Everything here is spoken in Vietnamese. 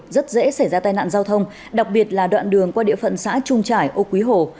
rất dễ xảy ra tai nạn giao thông đặc biệt là đoạn đường qua địa phận xã trung trải âu quý hồ